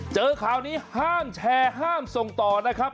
เจอข่าวนี้ห้ามแชร์ห้ามส่งต่อนะครับ